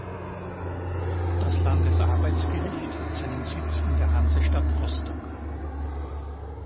Das Landesarbeitsgericht hat seinen Sitz in der Hansestadt Rostock.